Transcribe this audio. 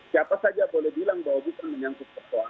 siapa saja boleh bilang bahwa bukan menyangkut persoalan